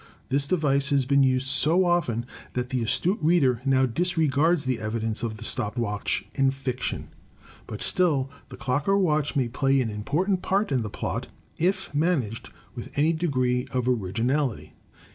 This device has been used so often that the astute reader now disregards the evidence of the stopped watch in fiction. But still the clock or watch may play an important part in the plot, if managed with any degree of originality.